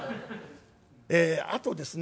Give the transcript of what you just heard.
えあとですね